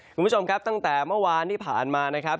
คุณผู้ชมครับตั้งแต่เมื่อวานที่ผ่านมานะครับ